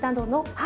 はい。